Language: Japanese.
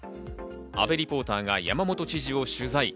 阿部リポーターが山本知事を取材。